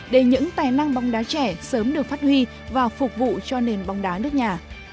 để những tài năng bóng đá trẻ sớm được phát huy và phục vụ cho nền bóng đá nước nhà